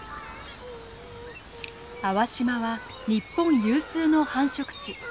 粟島は日本有数の繁殖地。